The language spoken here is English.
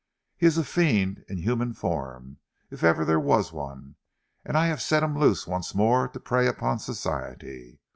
"He is a fiend in human form, if ever there was one, and I have set him loose once more to prey upon Society.